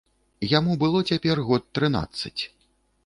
Яму было цяпер год трынаццаць.